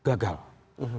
membangun sistem itu gagal